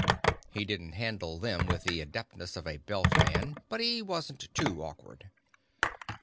He didn't handle them with the adeptness of a Belt man, but he wasn't too awkward.